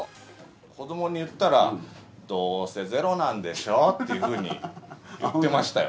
子どもに言ったら、どうせ、０なんでしょっていうふうに言ってましたよ。